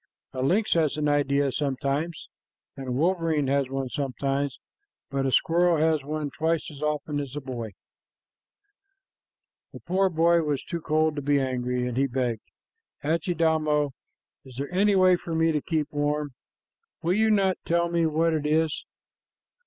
A lynx has an idea sometimes, and a wolverine has one sometimes, but a squirrel has one twice as often as a boy." The poor boy was too cold to be angry, and he begged, "Adjidaumo, if there is any way for me to keep warm, will you not tell me what it is?